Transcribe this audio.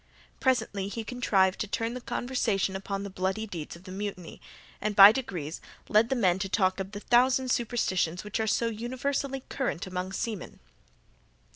Presently he contrived to turn the conversation upon the bloody deeds of the mutiny, and by degrees led the men to talk of the thousand superstitions which are so universally current among seamen.